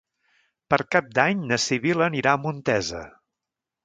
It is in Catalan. Per Cap d'Any na Sibil·la anirà a Montesa.